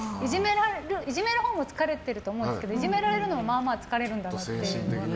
いじめるほうも疲れてると思うんですけどいじめられるのもまあまあ疲れるんだなって。